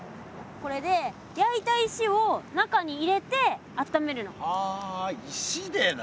これで焼いた石を中に入れてあっためるの。は石でな。